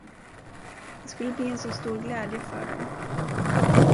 Det skulle bli en så stor glädje för dem.